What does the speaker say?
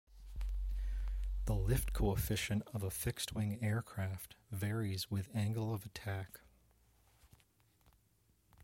The lift coefficient of a fixed-wing aircraft varies with angle of attack.